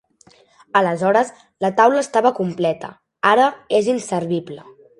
Aleshores la taula estava completa: ara és inservible.